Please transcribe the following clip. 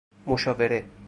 مشاوره